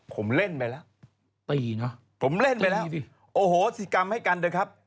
ผมเล่นไปแล้วตีเนอะผมเล่นไปแล้วโอ้โหสิกรรมให้กันเถอะครับ